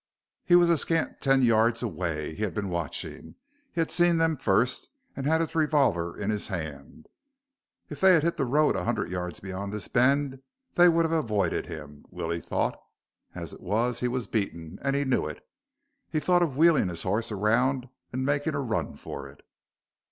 He was a scant ten yards away. He had been watching, had seen them first, and had his revolver in hand. If they had hit the road a hundred yards beyond this bend, they would have avoided him, Willie thought. As it was, he was beaten, and he knew it. He thought of wheeling his horse around and making a run for it.